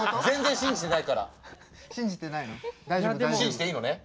信じていいのね？